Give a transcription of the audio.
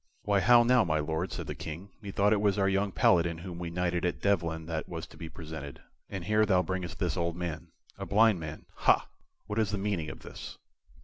"Why, how now, my Lord?" said the King. "Methought it was our young Paladin whom we knighted at Devlen that was to be presented, and here thou bringest this old man. A blind man, ha! What is the meaning of this?"